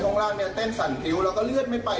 ไม่ไปส่วนต่างของร่างกายออกซิเจนที่สมองก็ขาดด้วยนะครับ